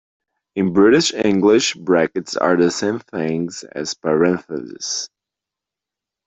In British English, brackets are the same things as parentheses